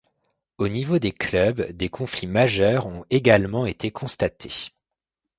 Au niveau des clubs, des conflits majeurs ont également été constatés.